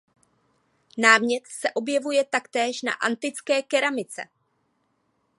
Námět se objevuje taktéž na antické keramice.